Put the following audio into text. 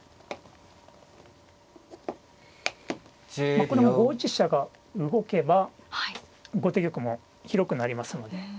まあこれも５一飛車が動けば後手玉も広くなりますので。